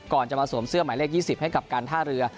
ก่อนจะมาสวมเสื้อหมายเลข๒๐ให้กับการท่าเรือ